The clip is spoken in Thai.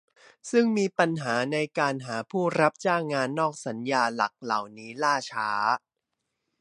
ซึ่งมีปัญหาในการหาผู้รับจ้างงานนอกสัญญาหลักเหล่านี้ล่าช้า